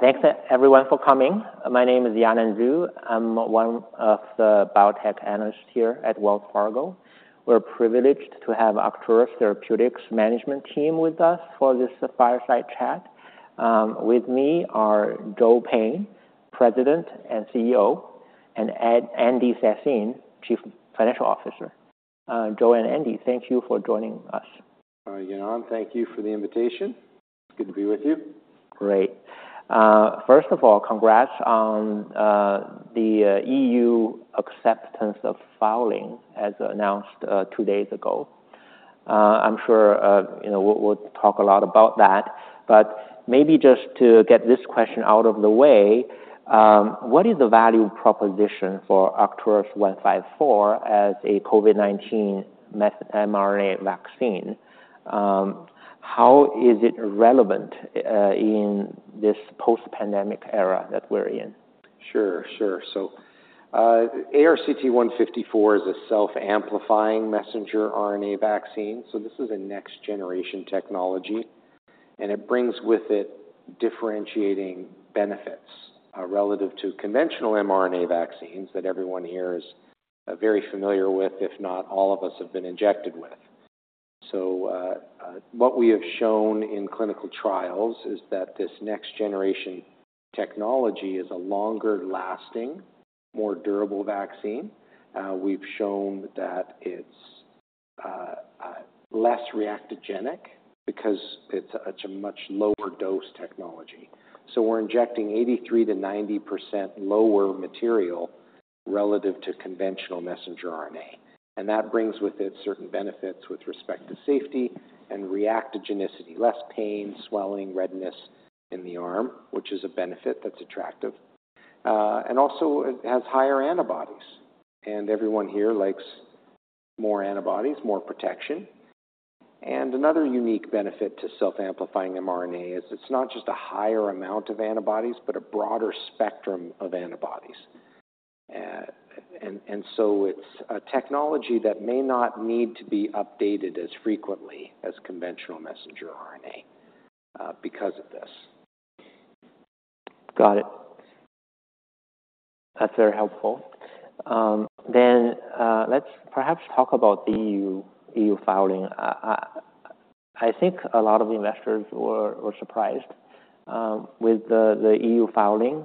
Thanks, everyone, for coming. My name is Yanan Zhu. I'm one of the biotech analysts here at Wells Fargo. We're privileged to have Arcturus Therapeutics' management team with us for this fireside chat. With me are Joe Payne, President and CEO, and Andy Sassine, Chief Financial Officer. Joe and Andy, thank you for joining us. Yanan, thank you for the invitation. It's good to be with you. Great. First of all, congrats on the EU acceptance of filing, as announced two days ago. I'm sure, you know, we'll talk a lot about that, but maybe just to get this question out of the way, what is the value proposition for ARCT-154 as a COVID-19 mRNA vaccine? How is it relevant in this post-pandemic era that we're in? Sure, sure. So, ARCT-154 is a self-amplifying messenger RNA vaccine, so this is a next-generation technology, and it brings with it differentiating benefits, relative to conventional mRNA vaccines that everyone here is very familiar with, if not all of us have been injected with. So, what we have shown in clinical trials is that this next-generation technology is a longer-lasting, more durable vaccine. We've shown that it's less reactogenic because it's a much lower dose technology. So we're injecting 83%-90% lower material relative to conventional messenger RNA, and that brings with it certain benefits with respect to safety and reactogenicity, less pain, swelling, redness in the arm, which is a benefit that's attractive. And also it has higher antibodies, and everyone here likes more antibodies, more protection. Another unique benefit to self-amplifying mRNA is it's not just a higher amount of antibodies, but a broader spectrum of antibodies. So it's a technology that may not need to be updated as frequently as conventional messenger RNA, because of this. Got it. That's very helpful. Then, let's perhaps talk about the EU, EU filing. I think a lot of investors were surprised with the EU filing.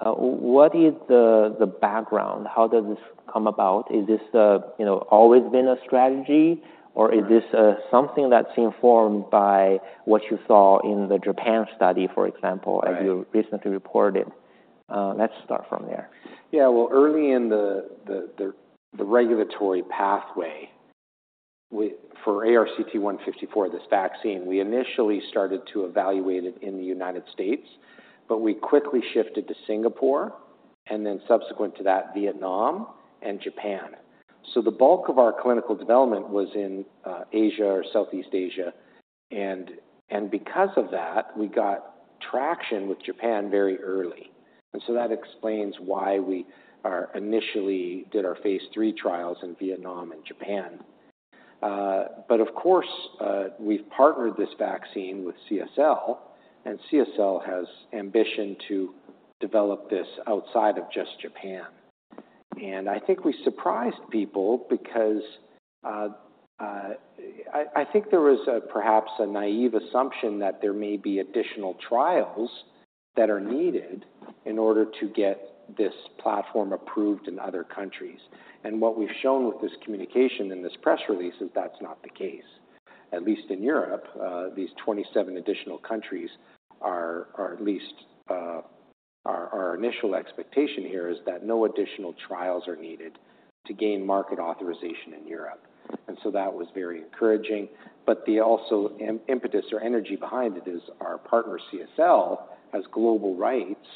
What is the background? How does this come about? Is this you know always been a strategy, or is this something that's informed by what you saw in the Japan study, for example- Right as you recently reported? Let's start from there. Yeah, well, early in the regulatory pathway with, for ARCT-154, this vaccine, we initially started to evaluate it in the United States, but we quickly shifted to Singapore, and then subsequent to that, Vietnam and Japan. So the bulk of our clinical development was in Asia or Southeast Asia, and because of that, we got traction with Japan very early. And so that explains why we are initially did our phase III trials in Vietnam and Japan. But of course, we've partnered this vaccine with CSL, and CSL has ambition to develop this outside of just Japan. And I think we surprised people because I think there was perhaps a naive assumption that there may be additional trials that are needed in order to get this platform approved in other countries. And what we've shown with this communication in this press release is that's not the case. At least in Europe, these 27 additional countries are at least our initial expectation here is that no additional trials are needed to gain market authorization in Europe. And so that was very encouraging. But the impetus or energy behind it is our partner, CSL, has global rights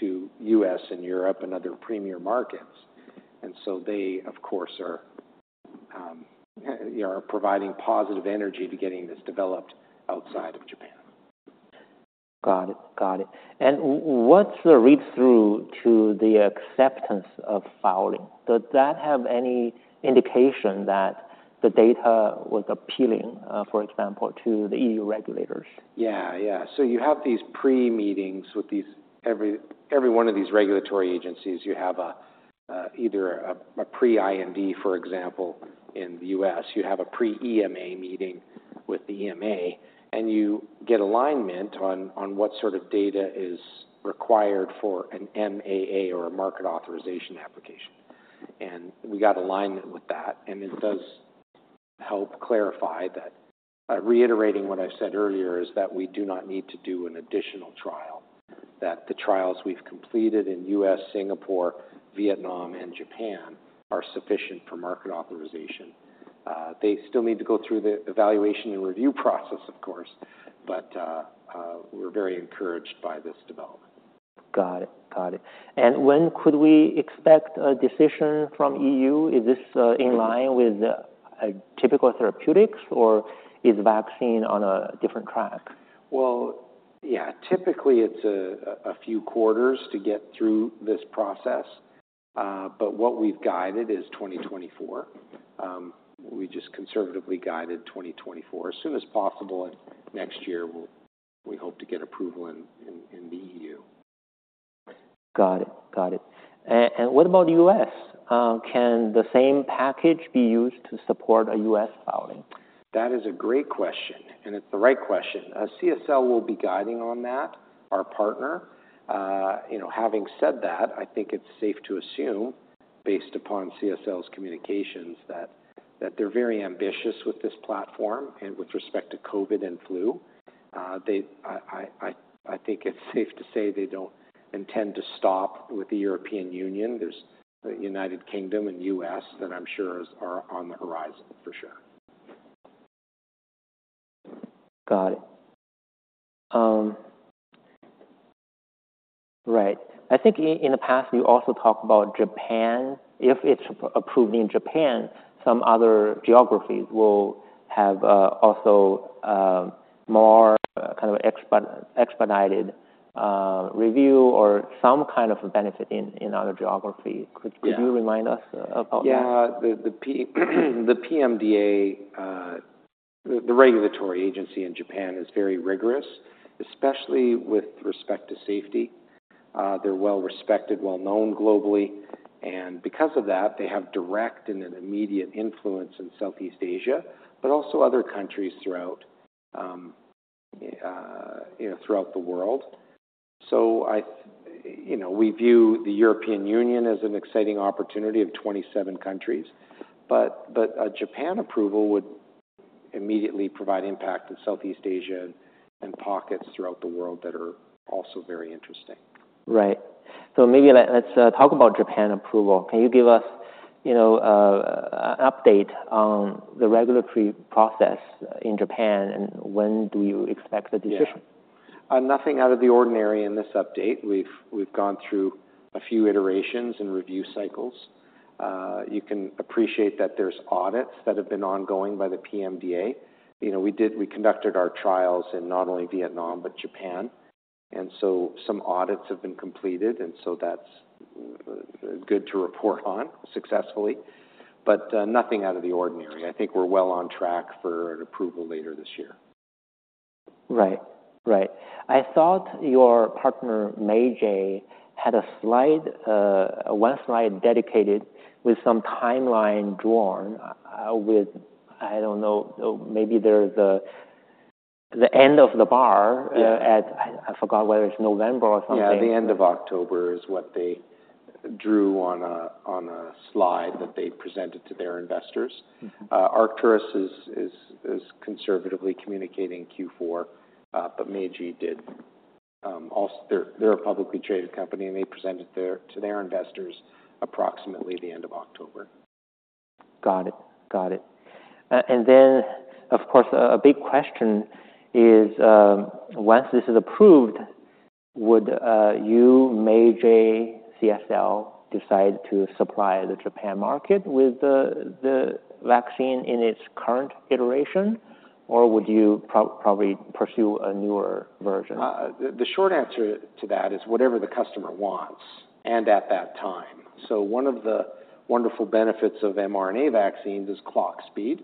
to U.S. and Europe and other premier markets. And so they, of course, you know, are providing positive energy to getting this developed outside of Japan. Got it. Got it. And what's the read-through to the acceptance of filing? Does that have any indication that the data was appealing, for example, to the EU regulators? Yeah, yeah. So you have these pre-meetings with these... Every one of these regulatory agencies, you have either a Pre-IND, for example, in the U.S., you have a pre-EMA meeting with the EMA, and you get alignment on what sort of data is required for an MAA or a Market Authorization Application. And we got alignment with that, and it does help clarify that, reiterating what I said earlier, is that we do not need to do an additional trial, that the trials we've completed in U.S., Singapore, Vietnam, and Japan are sufficient for market authorization. They still need to go through the evaluation and review process, of course, but we're very encouraged by this development. Got it. Got it. When could we expect a decision from EU? Is this in line with a typical therapeutics, or is vaccine on a different track? Well, yeah, typically it's a few quarters to get through this process. But what we've guided is 2024. We just conservatively guided 2024. As soon as possible next year, we hope to get approval in the EU. Got it. Got it. And what about the U.S.? Can the same package be used to support a U.S. filing? That is a great question, and it's the right question. CSL will be guiding on that, our partner. You know, having said that, I think it's safe to assume, based upon CSL's communications, that they're very ambitious with this platform and with respect to COVID and flu. I think it's safe to say they don't intend to stop with the European Union. There's the United Kingdom and U.S. that I'm sure are on the horizon for sure. Got it. Right. I think in the past, you also talked about Japan. If it's approved in Japan, some other geographies will have also more kind of expedited review or some kind of a benefit in other geographies. Yeah. Could you remind us about that? Yeah. The PMDA, the regulatory agency in Japan, is very rigorous, especially with respect to safety. They're well-respected, well-known globally, and because of that, they have direct and an immediate influence in Southeast Asia, but also other countries throughout, you know, throughout the world. So, you know, we view the European Union as an exciting opportunity of 27 countries, but a Japan approval would immediately provide impact in Southeast Asia and pockets throughout the world that are also very interesting. Right. So maybe let's talk about Japan approval. Can you give us, you know, an update on the regulatory process in Japan, and when do you expect the decision? Yeah. Nothing out of the ordinary in this update. We've gone through a few iterations and review cycles. You can appreciate that there's audits that have been ongoing by the PMDA. You know, we conducted our trials in not only Vietnam, but Japan, and so some audits have been completed, and so that's good to report on successfully. But nothing out of the ordinary. I think we're well on track for an approval later this year. Right. Right. I thought your partner, Meiji, had a slide, one slide dedicated with some timeline drawn, with... I don't know, maybe there's a, the end of the bar. At, I forgot whether it's November or something. Yeah, the end of October is what they drew on a slide that they presented to their investors. Mm-hmm. Arcturus is conservatively communicating Q4, but Meiji did also. They're a publicly traded company, and they presented their to their investors approximately the end of October. Got it. Got it. And then, of course, a big question is, once this is approved, would you, Meiji, CSL, decide to supply the Japan market with the vaccine in its current iteration, or would you probably pursue a newer version? The short answer to that is whatever the customer wants and at that time. So one of the wonderful benefits of mRNA vaccines is clock speed,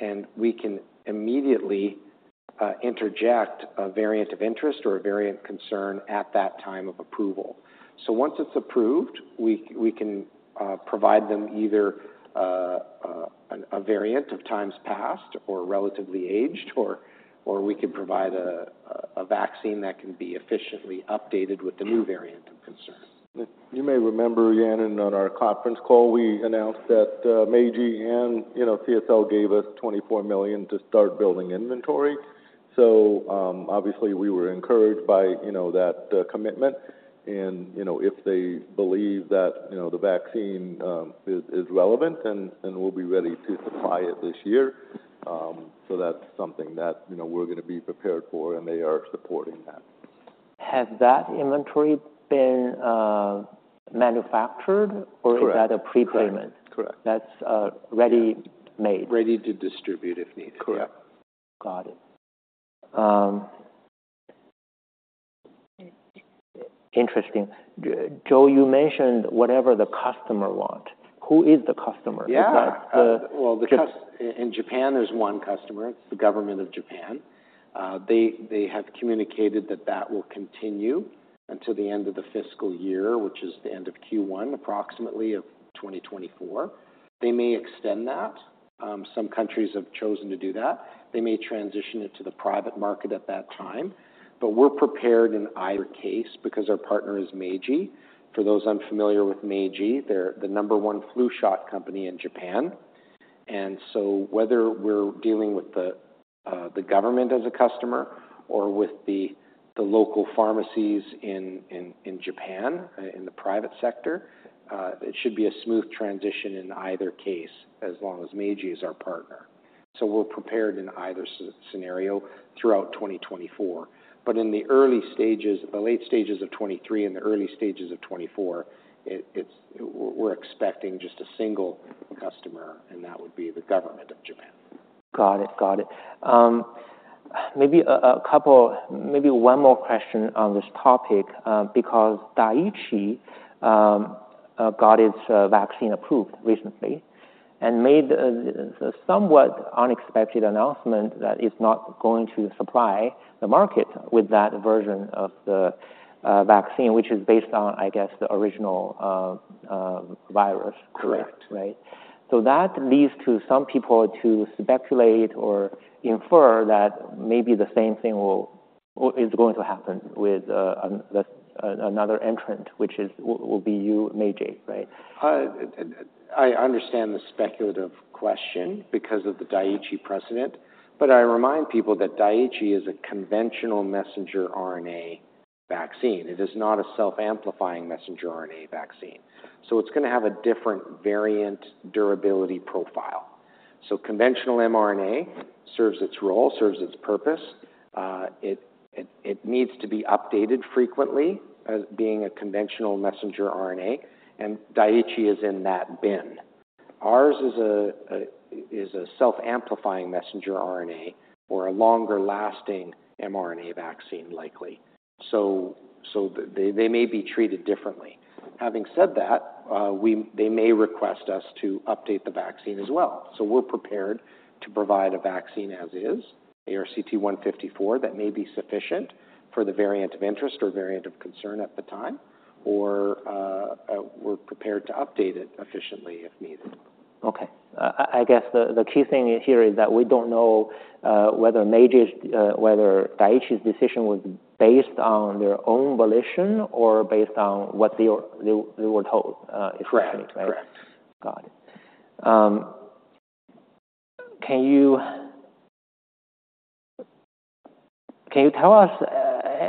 and we can immediately interject a variant of interest or a variant concern at that time of approval. So once it's approved, we can provide them either a variant of times past or relatively aged, or we can provide a vaccine that can be efficiently updated with the new variant of concern. You may remember, Yanan, on our conference call, we announced that Meiji and, you know, CSL gave us $24 million to start building inventory. So, obviously, we were encouraged by, you know, that commitment and, you know, if they believe that, you know, the vaccine is relevant, then we'll be ready to supply it this year. So that's something that, you know, we're gonna be prepared for, and they are supporting that. Has that inventory been manufactured or is that a prepayment? Correct. That's ready made. Ready to distribute if needed. Correct. Got it. Interesting. Joe, you mentioned whatever the customer want. Who is the customer? Yeah. Is that the- Well, Just- In Japan, there's one customer. It's the government of Japan. They, they have communicated that that will continue until the end of the fiscal year, which is the end of Q1, approximately, of 2024. They may extend that. Some countries have chosen to do that. They may transition it to the private market at that time, but we're prepared in either case because our partner is Meiji. For those unfamiliar with Meiji, they're the number one flu shot company in Japan. And so whether we're dealing with the government as a customer or with the local pharmacies in Japan, in the private sector, it should be a smooth transition in either case, as long as Meiji is our partner. So we're prepared in either scenario throughout 2024. But in the early stages... the late stages of 2023 and the early stages of 2024, it's, we're expecting just a single customer, and that would be the government of Japan. Got it. Got it. Maybe a couple, maybe one more question on this topic, because Daiichi got its vaccine approved recently and made a somewhat unexpected announcement that it's not going to supply the market with that version of the vaccine, which is based on, I guess, the original virus. Correct. Right? So that leads to some people to speculate or infer that maybe the same thing will or is going to happen with this another entrant, which will be you, Meiji, right? I understand the speculative question because of the Daiichi precedent, but I remind people that Daiichi is a conventional messenger RNA vaccine. It is not a self-amplifying messenger RNA vaccine, so it's gonna have a different variant durability profile. So conventional mRNA serves its role, serves its purpose. It needs to be updated frequently as being a conventional messenger RNA, and Daiichi is in that bin. Ours is a self-amplifying messenger RNA or a longer-lasting mRNA vaccine, likely. So they may be treated differently. Having said that, they may request us to update the vaccine as well, so we're prepared to provide a vaccine as is, ARCT-154. That may be sufficient for the variant of interest or variant of concern at the time, or we're prepared to update it efficiently if needed. Okay. I guess the key thing here is that we don't know whether Daiichi's decision was based on their own volition or based on what they were told, if- Correct. Right? Correct. Got it. Can you tell us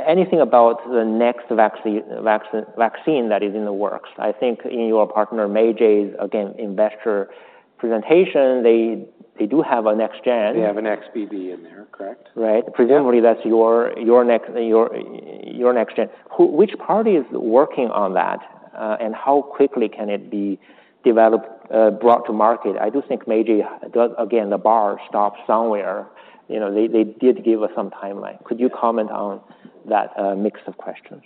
anything about the next vaccine that is in the works? I think in your partner, Meiji's, again, investor presentation, they do have a next gen. They have an XBB in there, correct? Right. Yeah. Presumably that's your next gen. Who, which party is working on that, and how quickly can it be developed, brought to market? I do think Meiji does... Again, the bar stops somewhere. You know, they did give us some timeline. Could you comment on that, mix of questions?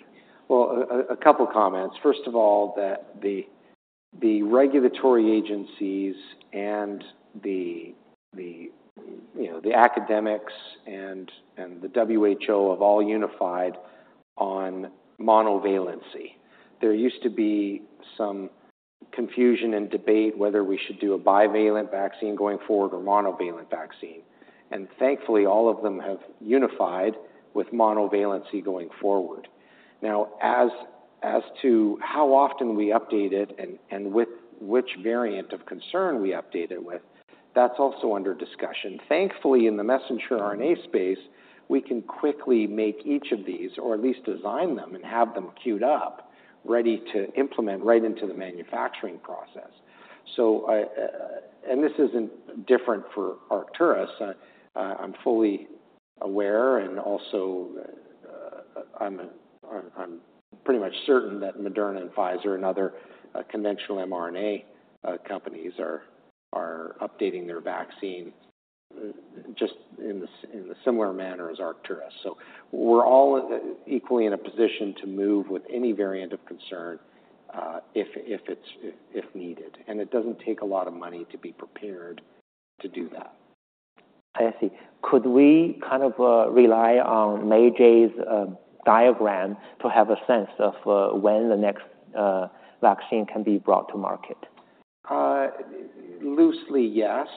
Well, a couple comments. First of all, the regulatory agencies and the you know, the academics and the WHO have all unified on monovalency. There used to be some confusion and debate whether we should do a bivalent vaccine going forward or monovalent vaccine, and thankfully, all of them have unified with monovalency going forward. Now, as to how often we update it and with which variant of concern we update it with, that's also under discussion. Thankfully, in the messenger RNA space, we can quickly make each of these, or at least design them and have them queued up, ready to implement right into the manufacturing process. And this isn't different for Arcturus. I'm fully aware, and also, I'm pretty much certain that Moderna and Pfizer and other conventional mRNA companies are updating their vaccine just in a similar manner as Arcturus. So we're all equally in a position to move with any variant of concern, if it's needed, and it doesn't take a lot of money to be prepared to do that. I see. Could we kind of rely on Meiji's diagram to have a sense of when the next vaccine can be brought to market? Loosely, yes.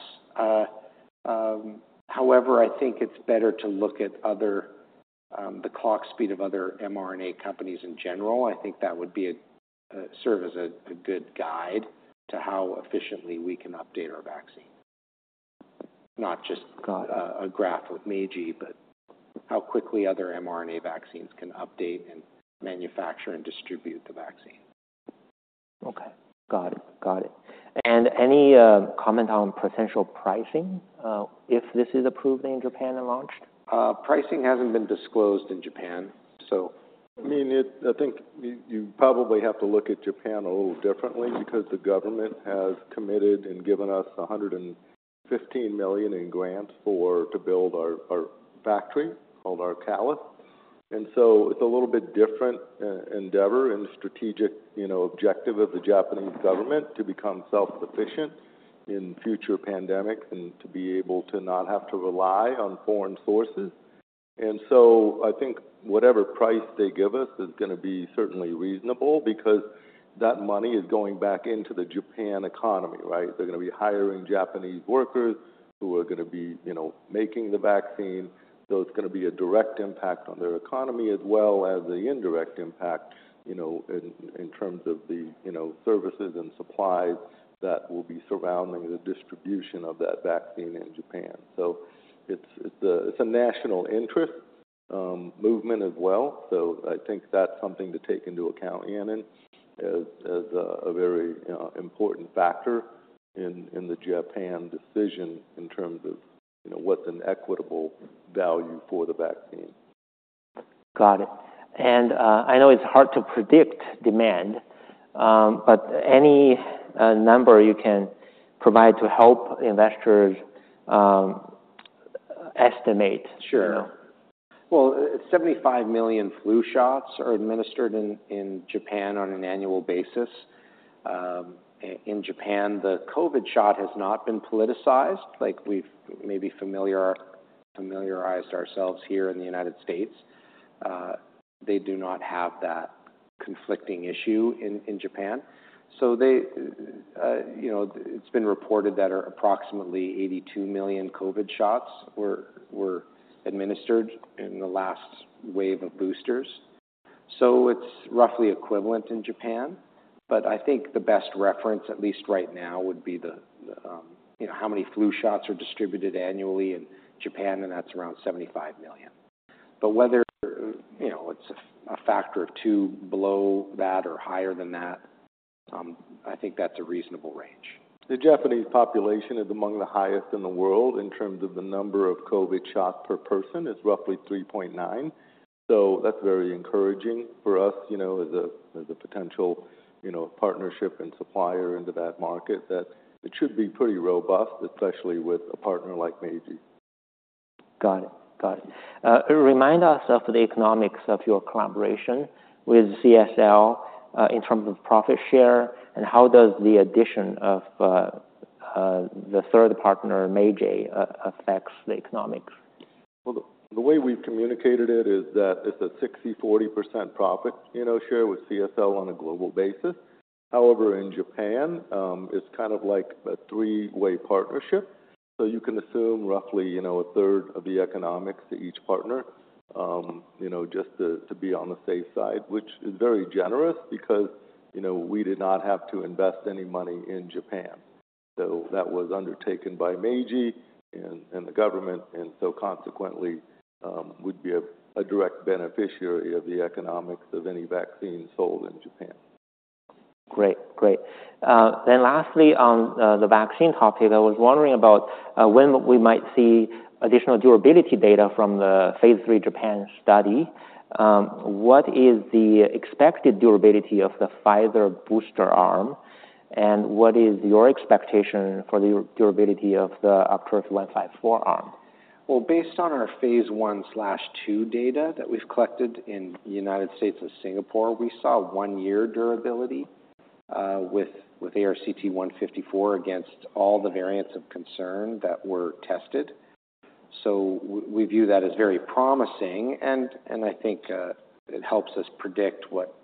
However, I think it's better to look at the clock speed of other mRNA companies in general. I think that would serve as a good guide to how efficiently we can update our vaccine. Not just a graph with Meiji, but how quickly other mRNA vaccines can update and manufacture and distribute the vaccine. Okay. Got it. Got it. And any comment on potential pricing if this is approved in Japan and launched? Pricing hasn't been disclosed in Japan, so- I mean, I think you probably have to look at Japan a little differently because the government has committed and given us $115 million in grants to build our factory called Arcalis. And so it's a little bit different endeavor and strategic, you know, objective of the Japanese government to become self-sufficient in future pandemics and to be able to not have to rely on foreign sources. And so I think whatever price they give us is gonna be certainly reasonable because that money is going back into the Japan economy, right? They're gonna be hiring Japanese workers who are gonna be, you know, making the vaccine, so it's gonna be a direct impact on their economy as well as the indirect impact, you know, in terms of the, you know, services and supplies that will be surrounding the distribution of that vaccine in Japan. It's a national interest, you know, movement as well, so I think that's something to take into account, Yanan, as a very, you know, important factor in the Japan decision in terms of, you know, what's an equitable value for the vaccine. Got it. And, I know it's hard to predict demand, but any number you can provide to help investors estimate? Sure. Well, 75 million flu shots are administered in Japan on an annual basis. In Japan, the COVID shot has not been politicized like we've maybe familiarized ourselves here in the United States. They do not have that conflicting issue in Japan. So they, you know, it's been reported that approximately 82 million COVID shots were administered in the last wave of boosters. So it's roughly equivalent in Japan, but I think the best reference, at least right now, would be the, you know, how many flu shots are distributed annually in Japan, and that's around 75 million. But whether, you know, it's a factor of two below that or higher than that, I think that's a reasonable range. The Japanese population is among the highest in the world in terms of the number of COVID shots per person. It's roughly 3.9, so that's very encouraging for us, you know, as a, as a potential, you know, partnership and supplier into that market, that it should be pretty robust, especially with a partner like Meiji. Got it. Got it. Remind us of the economics of your collaboration with CSL, in terms of profit share, and how does the addition of the third partner, Meiji, affects the economics? Well, the way we've communicated it is that it's a 60/40% profit, you know, share with CSL on a global basis. However, in Japan, it's kind of like a three-way partnership, so you can assume roughly, you know, a third of the economics to each partner, you know, just to be on the safe side. Which is very generous because, you know, we did not have to invest any money in Japan. So that was undertaken by Meiji and the government, and so consequently, we'd be a direct beneficiary of the economics of any vaccine sold in Japan. Great. Great. Then lastly, on the vaccine topic, I was wondering about when we might see additional durability data from the phase III Japan study? What is the expected durability of the Pfizer booster arm, and what is your expectation for the durability of the ARCT-154 arm? Well, based on our phase I/II data that we've collected in the United States and Singapore, we saw 1 year durability with ARCT-154 against all the variants of concern that were tested. So we view that as very promising, and I think it helps us predict what,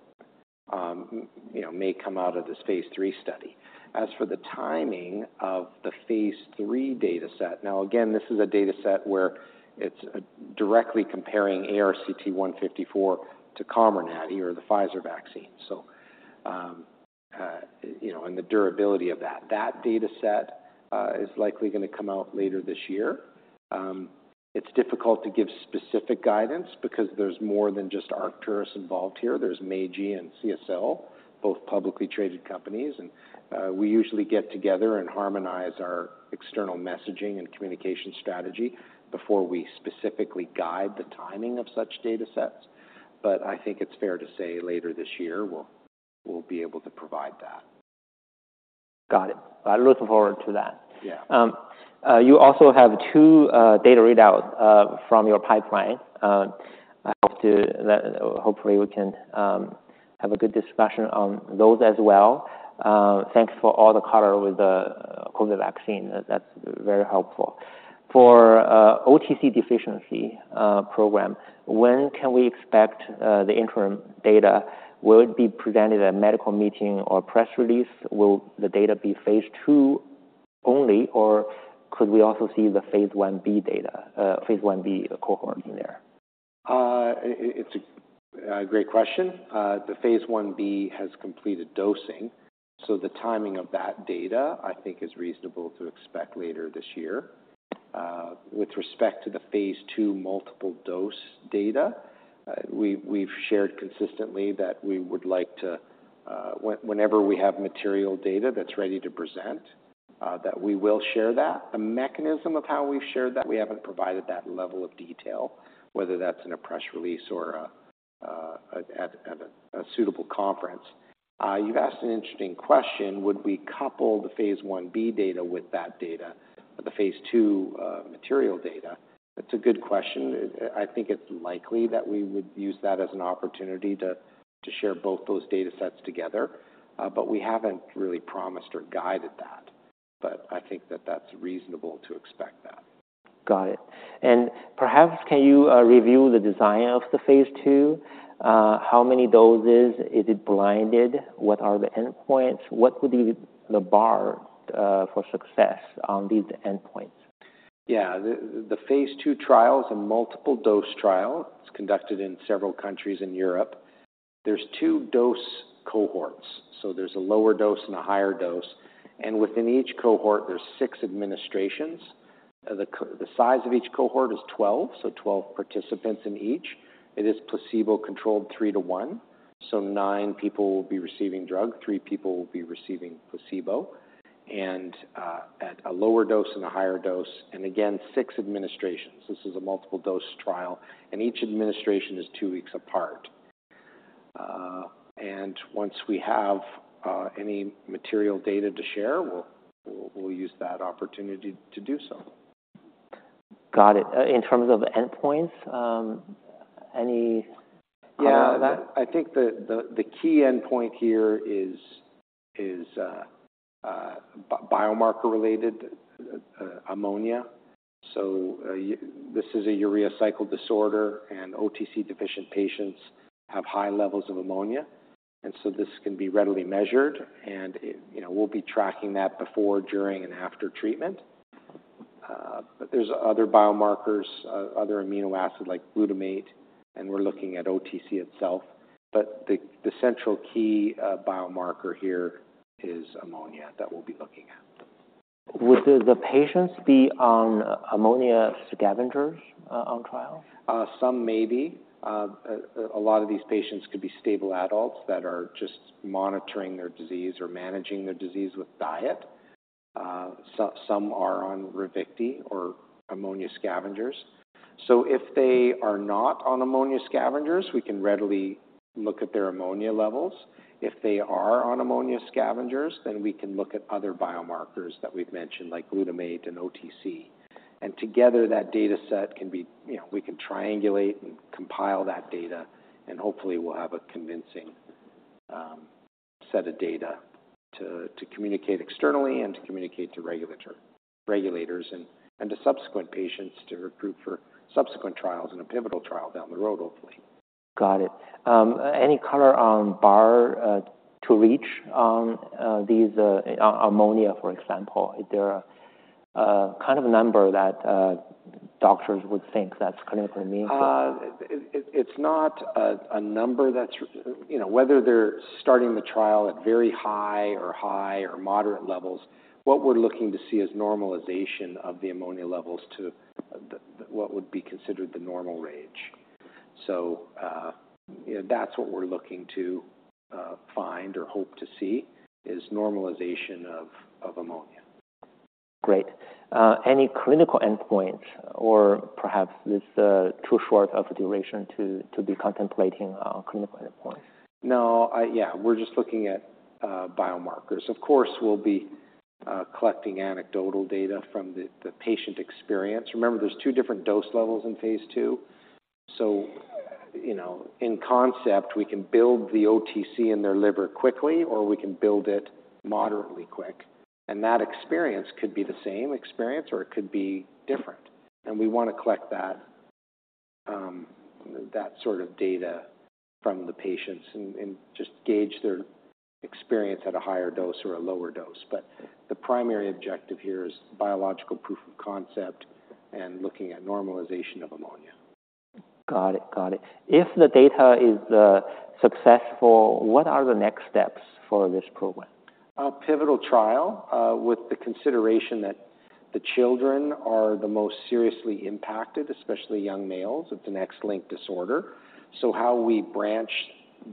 you know, may come out of this phase III study. As for the timing of the phase III data set. Now, again, this is a data set where it's directly comparing ARCT-154 to Comirnaty or the Pfizer vaccine. So, you know, and the durability of that. That data set is likely gonna come out later this year. It's difficult to give specific guidance because there's more than just Arcturus involved here. There's Meiji and CSL, both publicly traded companies, and we usually get together and harmonize our external messaging and communication strategy before we specifically guide the timing of such data sets. But I think it's fair to say, later this year, we'll be able to provide that. Got it. I look forward to that. Yeah. You also have two data readouts from your pipeline. I have to... Hopefully, we can have a good discussion on those as well. Thanks for all the color with the COVID vaccine. That's very helpful. For OTC deficiency program, when can we expect the interim data? Will it be presented at a medical meeting or press release? Will the data be phase II only, or could we also see the phase I-B data, phase I-B cohort in there? It's a great question. The phase I-B has completed dosing, so the timing of that data, I think, is reasonable to expect later this year. With respect to the phase II multiple dose data, we've shared consistently that we would like to, whenever we have material data that's ready to present, that we will share that. The mechanism of how we've shared that, we haven't provided that level of detail, whether that's in a press release or at a suitable conference. You've asked an interesting question: would we couple the phase I-B data with that data, the phase II, material data? That's a good question. I think it's likely that we would use that as an opportunity to share both those data sets together, but we haven't really promised or guided that, but I think that that's reasonable to expect that. Got it. Perhaps can you review the design of the phase II? How many doses? Is it blinded? What are the endpoints? What would be the bar for success on these endpoints? Yeah. The phase II trial is a multiple dose trial. It's conducted in several countries in Europe. There's two dose cohorts, so there's a lower dose and a higher dose, and within each cohort, there's six administrations. The size of each cohort is 12, so 12 participants in each. It is placebo-controlled, three to one, so nine people will be receiving drug, three people will be receiving placebo, and at a lower dose and a higher dose, and again, six administrations. This is a multiple dose trial, and each administration is two weeks apart. And once we have any material data to share, we'll use that opportunity to do so. Got it. In terms of endpoints, any- Yeah, I think the key endpoint here is biomarker-related ammonia. So, this is a urea cycle disorder, and OTC deficient patients have high levels of ammonia, and so this can be readily measured, and it, you know, we'll be tracking that before, during, and after treatment. But there's other biomarkers, other amino acid, like glutamate, and we're looking at OTC itself. But the central key biomarker here is ammonia that we'll be looking at. Would the patients be on ammonia scavengers on trial? Some may be. A lot of these patients could be stable adults that are just monitoring their disease or managing their disease with diet. So some are on Ravicti or ammonia scavengers. So if they are not on ammonia scavengers, we can readily look at their ammonia levels. If they are on ammonia scavengers, then we can look at other biomarkers that we've mentioned, like glutamate and OTC. And together, that data set can be, you know, we can triangulate and compile that data, and hopefully we'll have a convincing set of data to communicate externally and to communicate to regulators and to subsequent patients to recruit for subsequent trials and a pivotal trial down the road, hopefully. Got it. Any color on ARCT-032 on these on ammonia, for example? Is there a kind of a number that doctors would think that's clinically meaningful? It's not a number that's... You know, whether they're starting the trial at very high or high or moderate levels, what we're looking to see is normalization of the ammonia levels to the, what would be considered the normal range. So, you know, that's what we're looking to find or hope to see, is normalization of ammonia. Great. Any clinical endpoint, or perhaps this too short of a duration to be contemplating a clinical endpoint? No, yeah, we're just looking at biomarkers. Of course, we'll be collecting anecdotal data from the patient experience. Remember, there's two different dose levels in phase II. So, you know, in concept, we can build the OTC in their liver quickly, or we can build it moderately quick, and that experience could be the same experience or it could be different, and we want to collect that sort of data from the patients and just gauge their experience at a higher dose or a lower dose. But the primary objective here is biological proof of concept and looking at normalization of ammonia. Got it. Got it. If the data is successful, what are the next steps for this program? A pivotal trial, with the consideration that the children are the most seriously impacted, especially young males, it's an X-linked disorder. How we branch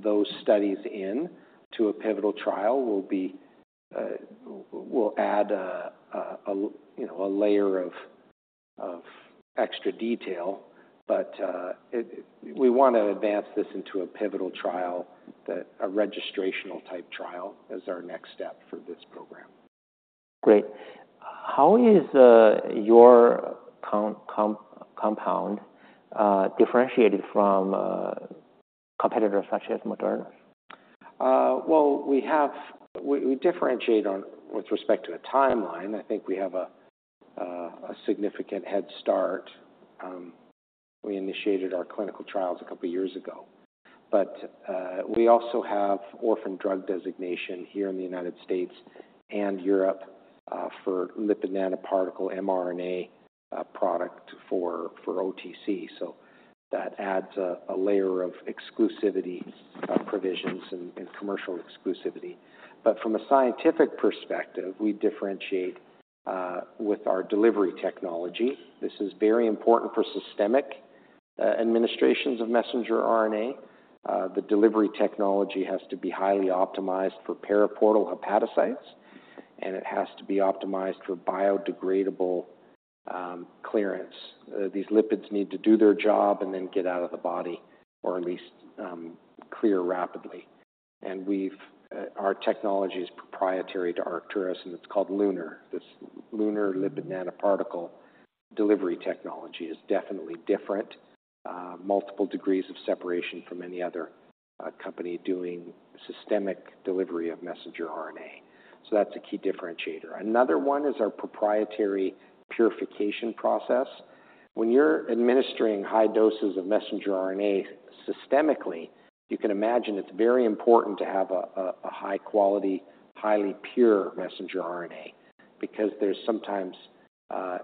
those studies in to a pivotal trial will add a, you know, a layer of extra detail. We want to advance this into a pivotal trial, that a registrational type trial is our next step for this program. Great. How is your compound differentiated from competitors such as Moderna? Well, we have... We differentiate on with respect to a timeline. I think we have a significant head start. We initiated our clinical trials a couple of years ago. But we also have orphan drug designation here in the United States and Europe for lipid nanoparticle mRNA product for OTC, so that adds a layer of exclusivity provisions and commercial exclusivity. But from a scientific perspective, we differentiate with our delivery technology. This is very important for systemic administrations of messenger RNA. The delivery technology has to be highly optimized for periportal hepatocytes, and it has to be optimized for biodegradable clearance. These lipids need to do their job and then get out of the body, or at least clear rapidly. And we've, our technology is proprietary to Arcturus, and it's called LUNAR. This LUNAR lipid nanoparticle delivery technology is definitely different, multiple degrees of separation from any other, company doing systemic delivery of messenger RNA. So that's a key differentiator. Another one is our proprietary purification process. When you're administering high doses of messenger RNA systemically, you can imagine it's very important to have a high quality, highly pure messenger RNA because there's sometimes,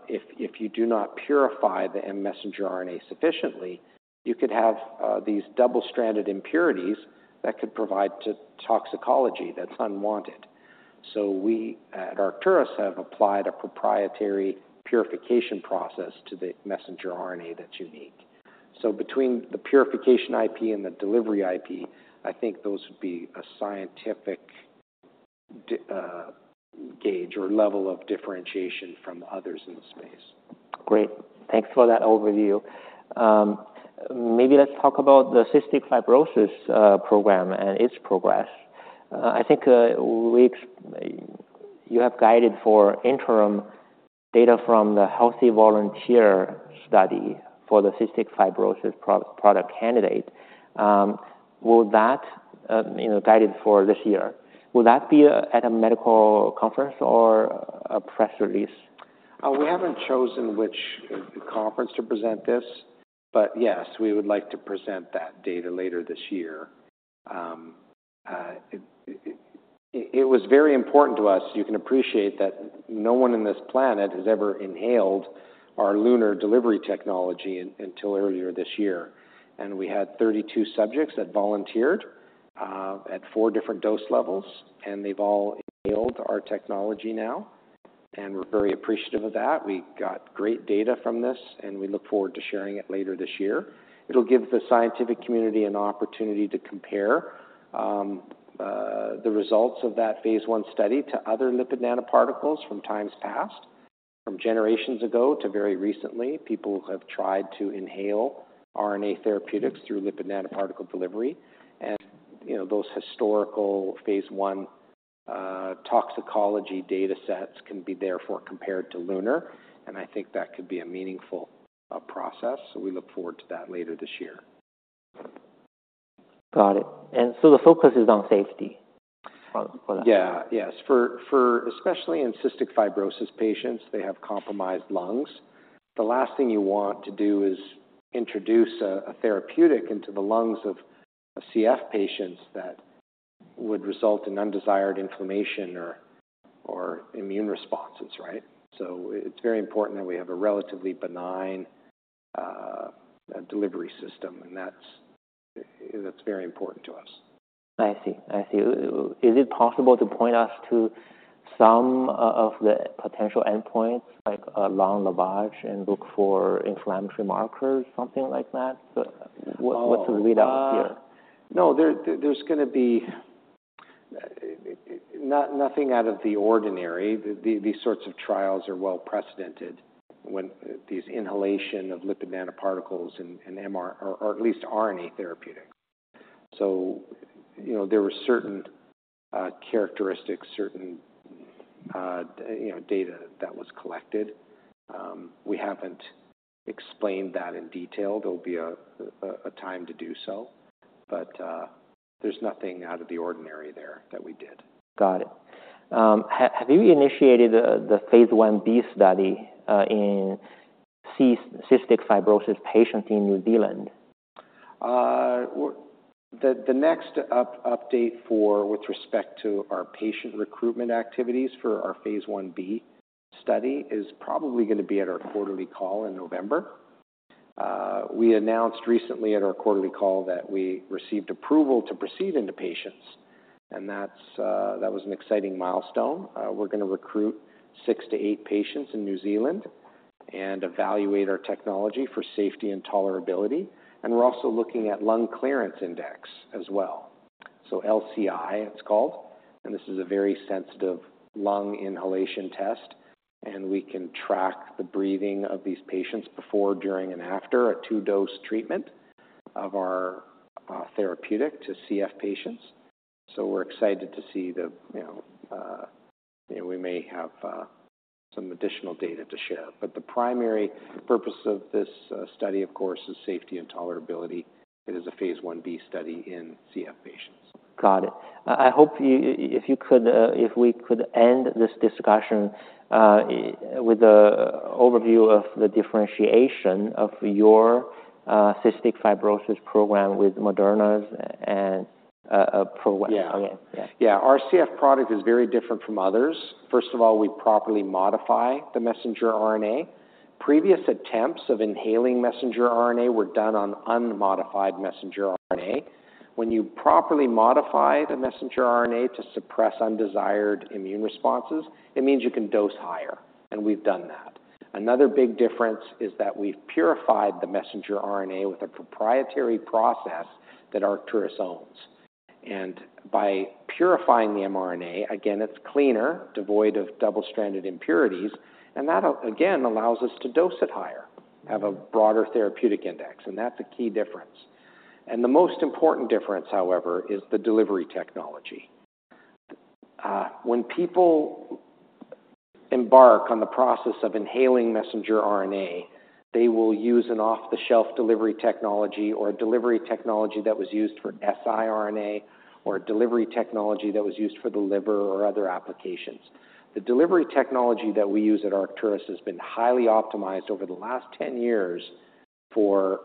if you do not purify the messenger RNA sufficiently, you could have, these double-stranded impurities that could provide to toxicology that's unwanted. So we at Arcturus have applied a proprietary purification process to the messenger RNA that's unique.... So between the purification IP and the delivery IP, I think those would be a scientific degree or level of differentiation from others in the space. Great. Thanks for that overview. Maybe let's talk about the cystic fibrosis program and its progress. I think you have guided for interim data from the healthy volunteer study for the cystic fibrosis product candidate. Will that, you know, guided for this year, will that be at a medical conference or a press release? We haven't chosen which conference to present this, but yes, we would like to present that data later this year. It was very important to us. You can appreciate that no one on this planet has ever inhaled our LUNAR delivery technology until earlier this year, and we had 32 subjects that volunteered at four different dose levels, and they've all inhaled our technology now, and we're very appreciative of that. We got great data from this, and we look forward to sharing it later this year. It'll give the scientific community an opportunity to compare the results of that phase I study to other lipid nanoparticles from times past. From generations ago to very recently, people have tried to inhale RNA therapeutics through lipid nanoparticle delivery and, you know, those historical phase I toxicology data sets can be therefore compared to LUNAR, and I think that could be a meaningful process. So we look forward to that later this year. Got it. And so the focus is on safety for that? Yeah. Yes, for especially in cystic fibrosis patients, they have compromised lungs. The last thing you want to do is introduce a therapeutic into the lungs of CF patients that would result in undesired inflammation or immune responses, right? So it's very important that we have a relatively benign delivery system, and that's very important to us. I see. I see. Is it possible to point us to some of the potential endpoints, like a lung lavage, and look for inflammatory markers, something like that? But what the readout here? No, there, there's gonna be nothing out of the ordinary. These sorts of trials are well precedented, the inhalation of lipid nanoparticles and mRNA therapeutics. So, you know, there were certain characteristics, certain, you know, data that was collected. We haven't explained that in detail. There'll be a time to do so, but there's nothing out of the ordinary there that we did. Got it. Have you initiated the phase I-B study in cystic fibrosis patients in New Zealand? The next update with respect to our patient recruitment activities for our Phase 1b study is probably going to be at our quarterly call in November. We announced recently at our quarterly call that we received approval to proceed into patients, and that was an exciting milestone. We're going to recruit six to eight patients in New Zealand and evaluate our technology for safety and tolerability, and we're also looking at lung clearance index as well. So LCI, it's called, and this is a very sensitive lung inhalation test, and we can track the breathing of these patients before, during, and after a two-dose treatment of our therapeutic to CF patients. So we're excited to see the, you know, you know, we may have some additional data to share. The primary purpose of this study, of course, is safety and tolerability. It is a Phase 1b study in CF patients. Got it. I hope, if you could, if we could end this discussion with an overview of the differentiation of your cystic fibrosis program with Moderna's and program. Yeah. Our CF product is very different from others. First of all, we properly modify the messenger RNA. Previous attempts of inhaling messenger RNA were done on unmodified messenger RNA. When you properly modify the messenger RNA to suppress undesired immune responses, it means you can dose higher, and we've done that. Another big difference is that we've purified the messenger RNA with a proprietary process that Arcturus owns, and by purifying the mRNA, again, it's cleaner, devoid of double-stranded impurities, and that again allows us to dose it higher, have a broader therapeutic index, and that's a key difference and the most important difference, however, is the delivery technology. When people embark on the process of inhaling messenger RNA, they will use an off-the-shelf delivery technology or a delivery technology that was used for siRNA or a delivery technology that was used for the liver or other applications. The delivery technology that we use at Arcturus has been highly optimized over the last 10 years for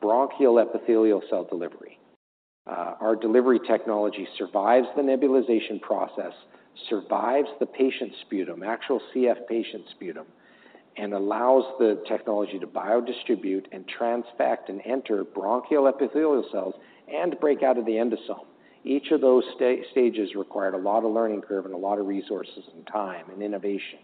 bronchial epithelial cell delivery. Our delivery technology survives the nebulization process, survives the patient's sputum, actual CF patient's sputum, and allows the technology to biodistribute and transfect and enter bronchial epithelial cells and break out of the endosome. Each of those stages required a lot of learning curve and a lot of resources and time and innovation.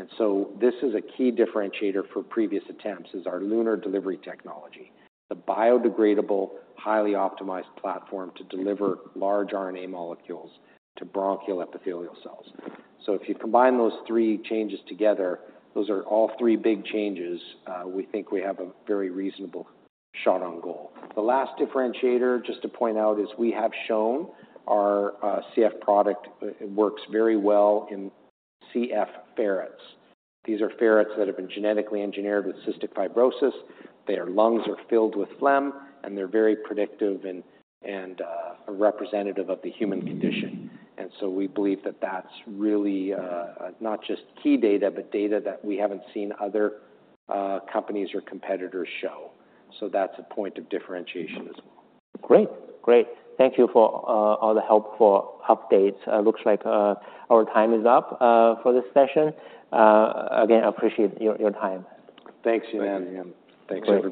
And so this is a key differentiator for previous attempts, is our LUNAR delivery technology, the biodegradable, highly optimized platform to deliver large RNA molecules to bronchial epithelial cells. So if you combine those three changes together, those are all three big changes. We think we have a very reasonable shot on goal. The last differentiator, just to point out, is we have shown our CF product works very well in CF ferrets. These are ferrets that have been genetically engineered with Cystic Fibrosis. Their lungs are filled with phlegm, and they're very predictive and representative of the human condition. And so we believe that that's really not just key data, but data that we haven't seen other companies or competitors show. So that's a point of differentiation as well. Great. Great. Thank you for all the helpful updates. Looks like our time is up for this session. Again, I appreciate your time. Thanks, Yanan, and thanks, everybody.